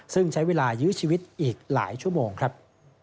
ซึ่งใช้เวลายื้อชีวิตอีกหลายชั่วโมงครับ